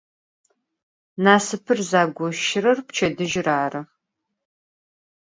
Nasıpır zıgoşırer pçedıjır arı.